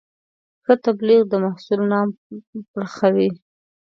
ښه تبلیغ د محصول نوم پراخوي.